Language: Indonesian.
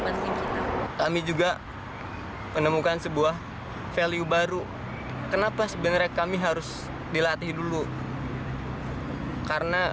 pasti kami juga menemukan sebuah value baru kenapa sebenarnya kami harus dilatih dulu karena